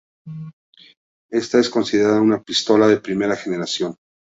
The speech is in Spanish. Esta es considerada una pistola de primera generación.